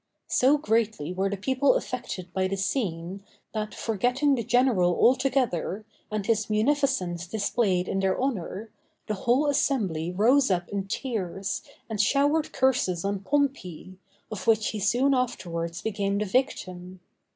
So greatly were the people affected by the scene, that, forgetting the general altogether, and his munificence displayed in their honor, the whole assembly rose up in tears, and showered curses on Pompey, of which he soon afterwards became the victim.